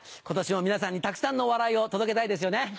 今年も皆さんにたくさんの笑いを届けたいですよね？